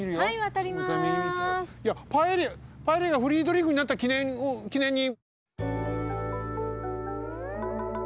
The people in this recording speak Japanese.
いやパエリアがフリードリンクになったきねんに。